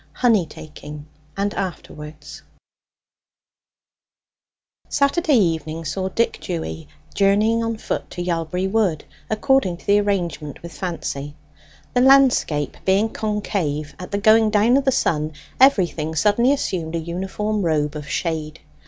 HONEY TAKING, AND AFTERWARDS Saturday evening saw Dick Dewy journeying on foot to Yalbury Wood, according to the arrangement with Fancy. The landscape being concave, at the going down of the sun everything suddenly assumed a uniform robe of shade.